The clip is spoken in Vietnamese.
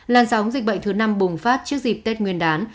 làn sóng dịch bệnh thứ năm bùng phát trước dịp tết nguyên đán